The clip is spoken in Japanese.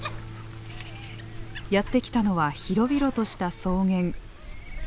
やって来たのは広々とした草原。